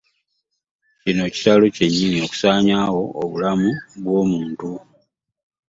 Kino kitalo kyenyini okusanyawo obulamu bwo muntu.